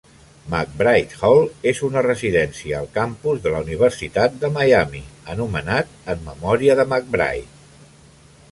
McBride Hall és una residència al campus de la Universitat de Miami anomenat en memòria de McBride.